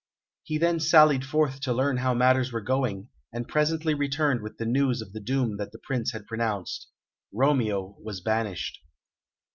He then sallied forth to learn how matters were going, and presently returned with the news of the doom that the Prince had pronounced Romeo was banished.